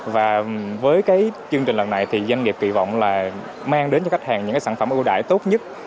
và với cái chương trình lần này thì doanh nghiệp kỳ vọng là mang đến cho khách hàng những sản phẩm ưu đại tốt nhất